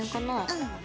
うん。